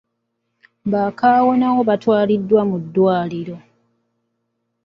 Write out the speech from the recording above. Bakaawonawo baatwalibwa mu ddwaliro.